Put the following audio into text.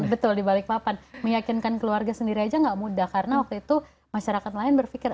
betul di balik papan meyakinkan keluarga sendiri aja gak mudah karena waktu itu masyarakat nelayan berpikir